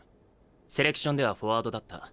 セレクションではフォワードだった。